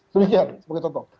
demikian sebagai contoh